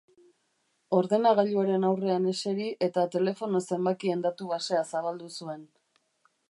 Ordenagailuaren aurrean eseri eta telefono zenbakien datu basea zabaldu zuen.